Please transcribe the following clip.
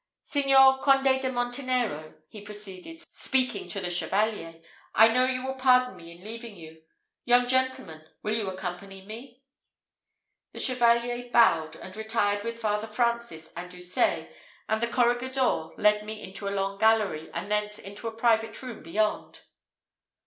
Signor Conde de Montenero," he proceeded, speaking to the Chevalier, "I know you will pardon me in leaving you. Young gentleman, will you accompany me?" The Chevalier bowed, and retired with Father Francis and Houssaye, and the corregidor led me into a long gallery, and thence into private room beyond.